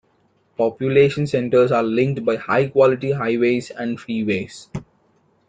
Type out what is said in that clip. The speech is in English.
Population centres are linked by high quality highways and freeways.